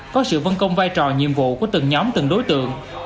có sự vân công vai trò nhiệm vụ của từng nhóm từng đối tượng